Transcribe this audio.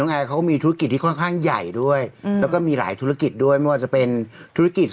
ของมีธุรกิจที่ค่อนข้างใหญ่ด้วยแล้วก็มีหลายธุรกิจที่ด้วยก็จะเป็นธุรกิจ